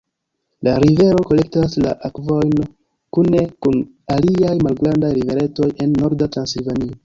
La rivero kolektas la akvojn kune kun aliaj malgrandaj riveretoj en Norda Transilvanio.